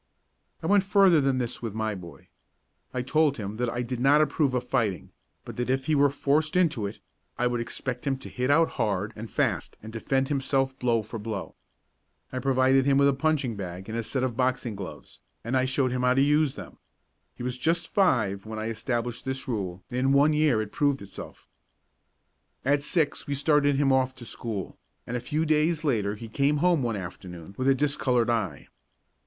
I went further than this with my boy. I told him that I did not approve of fighting, but that if he were forced into it, I would expect him to hit out hard and fast and defend himself blow for blow. I provided him with a punching bag and a set of boxing gloves and I showed him how to use them. He was just five when I established this rule and in one year it proved itself. At six we started him off to school, and a few days later he came home one afternoon with a discoloured eye.